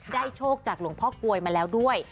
โชคจากหลวงพ่อกลวยมาแล้วด้วย